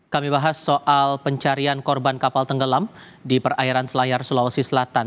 kami bahas soal pencarian korban kapal tenggelam di perairan selayar sulawesi selatan